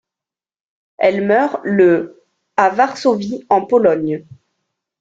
Elle meurt le à Varsovie en Pologne.